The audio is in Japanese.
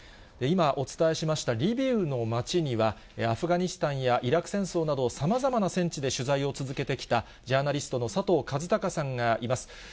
今、お伝えしましたリビウの街には、アフガニスタンやイラク戦争など、さまざまな戦地で取材を続けてきた、ジャーナリストの佐藤和孝さんがいます。